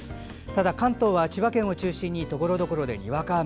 ただ関東は、千葉県を中心にところどころで、にわか雨。